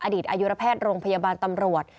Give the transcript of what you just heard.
อดีตอายุรแพทย์โรงพยาบาลตำรวจ